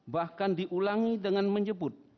bahkan diulangi dengan menyebut